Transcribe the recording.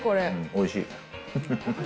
おいしい。